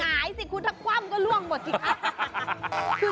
หายสิคุณถ้าคว่ำก็ล่วงหมดสิคะ